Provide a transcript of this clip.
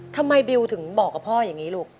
บิวถึงบอกกับพ่ออย่างนี้ลูก